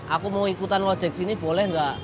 aku mau ikutan lojek sini boleh nggak